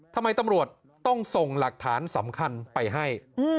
ทำไมตำรวจต้องส่งหลักฐานสำคัญไปให้